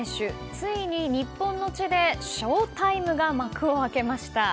ついに日本の地でＳＨＯ‐ＴＩＭＥが幕を開けました。